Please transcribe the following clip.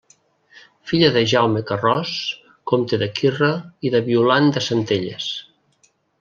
Filla de Jaume Carròs, comte de Quirra, i de Violant de Centelles.